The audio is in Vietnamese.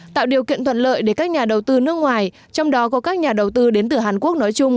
tạo điều kiện thuận lợi để các nhà đầu tư nước ngoài trong đó có các nhà đầu tư đến từ hàn quốc nói chung